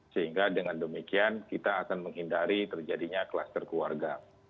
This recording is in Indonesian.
sehingga dengan demikian kita akan menghindari terjadinya kluster keluarga